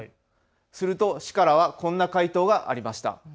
すると市からはこんな回答がありました。